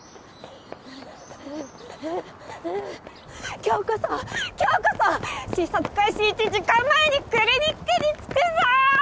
今日こそ今日こそ診察開始１時間前にクリニックに着くぞ！